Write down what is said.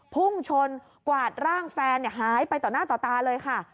พุ่งชนกวาดร่างแฟนหายไปต่อหน้าต่อตาเลยค่ะ